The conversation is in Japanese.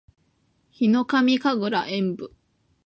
ヒノカミ神楽円舞（ひのかみかぐらえんぶ）